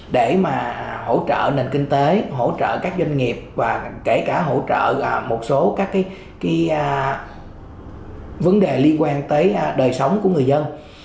để mà hỗ trợ nền kinh tế hỗ trợ các doanh nghiệp và kể cả hỗ trợ một số các vấn đề liên quan tới đời sống của người dân